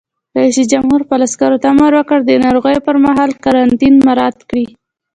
رئیس جمهور خپلو عسکرو ته امر وکړ؛ د ناروغۍ پر مهال قرنطین مراعات کړئ!